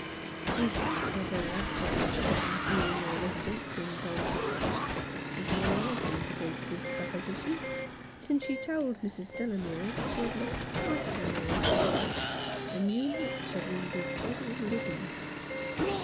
The fact of her abject poverty during her residence in Dynevor Street is no argument against this supposition, since she told Mrs. Delamere that she had lost sight of the man she loved, and knew not whether he was dead or living.